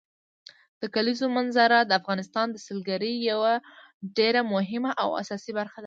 د کلیزو منظره د افغانستان د سیلګرۍ یوه ډېره مهمه او اساسي برخه ده.